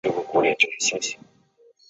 戈雅克。